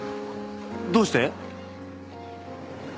どうして？